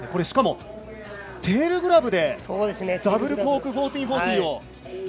しかも、テールグラブでダブルコーク１４４０を。